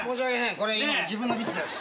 これ今自分のミスです。